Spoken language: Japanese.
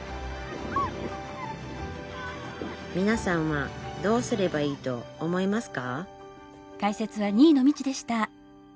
みなさんはどうすればいいと思いますか？